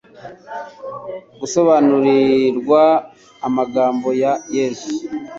gusobariukirwa amagambo ya Yesu.